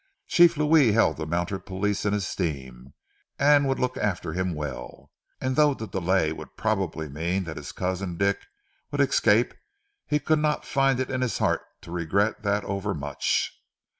Chief Louis held the Mounted Police in esteem, and would look after him well, and though the delay would probably mean that his Cousin Dick would escape, he could not find it in his heart to regret that over much.